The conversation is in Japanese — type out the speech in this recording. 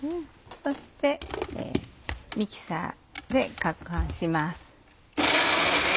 そしてミキサーで攪拌します。